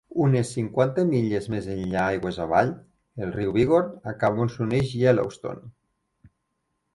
Unes cinquanta milles més enllà aigües avall, el riu Bighorn acaba on s'uneix al Yellowstone.